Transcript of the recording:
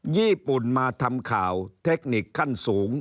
ญี่ปุ่นมาทำข่าวเทคนิคขั้นสูง